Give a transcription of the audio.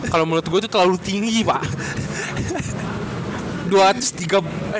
kalau menurut gue itu terlalu tinggi pak